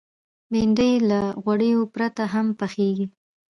بېنډۍ له غوړو پرته هم پخېږي